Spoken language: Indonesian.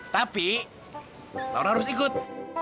tapi laura harus ikut